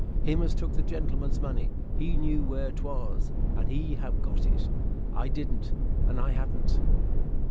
Him as took the gentleman's money, he knew where 'twas, and he have got it: I didn't and I haan't."